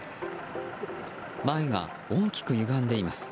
前が大きくゆがんでいます。